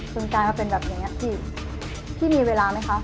จึงกลายว่าเป็นแบบอย่างเงี้ยพี่พี่มีเวลาไหมคะ